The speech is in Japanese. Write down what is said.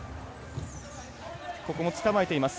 ここも捕まえています。